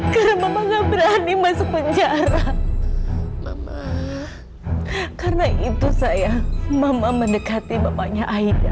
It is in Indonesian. karena nggak berani masuk penjara karena itu saya mama mendekati bapaknya aida